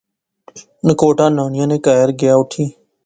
نکوٹا نانیاں نے کہر گیا اُٹھی